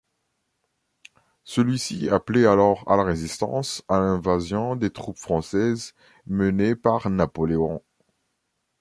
Celui-ci appelait alors à la résistance à l'invasion des troupes françaises menées par Napoléon.